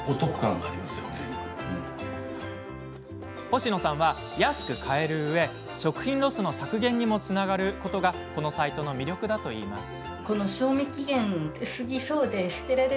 星野さんは安く買えるうえ食品ロス削減にもつながることがこのサイトの魅力だといいます。